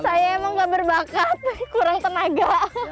saya emang gak berbakat kurang tenaga